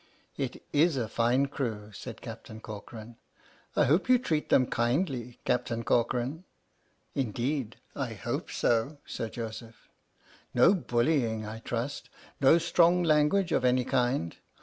" It is a fine crew," said Captain Corcoran. " I hope you treat them kindly, Captain Cor coran? "" Indeed, I hope so, Sir Joseph." " No bullying, I trust ; no strong language of any kind?